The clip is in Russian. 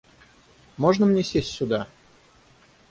Можно мне сесть сюда?